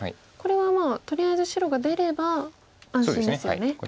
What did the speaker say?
これはとりあえず白が出れば安心ですよね。